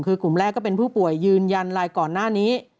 คือกลุ่มแรกก็เป็นผู้ป่วยยืนยันรายก่อนหน้านี้